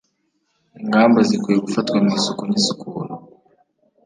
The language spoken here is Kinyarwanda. ingamba zikwiye gufatwa mu isuku n isukura